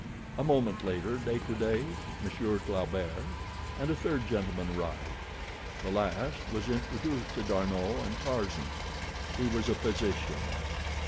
A moment later De Coude, Monsieur Flaubert, and a third gentleman arrived. The last was introduced to D'Arnot and Tarzan; he was a physician.